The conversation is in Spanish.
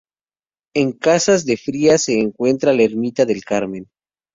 En Casas de Frías se encuentra la Ermita del Carmen.